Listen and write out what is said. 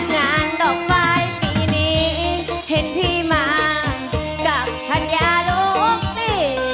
งานดอกไฟปีนี้เห็นพี่มากับพญาโลกซิ